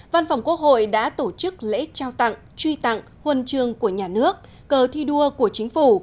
văn phòng quốc hội đã tổ chức lễ trao tặng truy tặng huân trường của nhà nước cờ thi đua của chính phủ